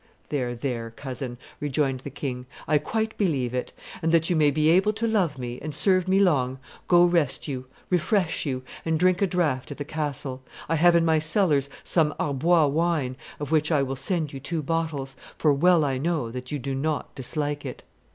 'There, there, cousin,' rejoined the kinm, 'I quite believe it; and that you may be able to love me and serve me long, go rest you, refresh you, and drink a draught at the castle. I have in my cellars some Arbois wine, of which I will send you two bottles, for well I know that you do not dislike it.